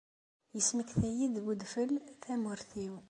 Yesmektay-iyi-d wedfel tamurt-iw.